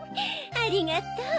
ありがとう。